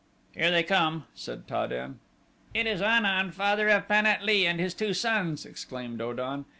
"Here they come," said Ta den. "It is An un, father of Pan at lee, and his two sons," exclaimed O dan.